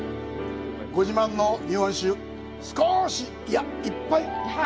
ご自慢の日本酒、少しいやいっぱい